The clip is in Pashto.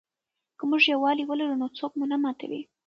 که موږ یووالي ولرو نو څوک مو نه ماتوي.